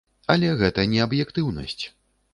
Але гэта не аб'ектыўнасць.